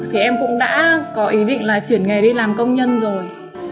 thì em cũng đã có ý định là chuyển nghề đi làm công nhân rồi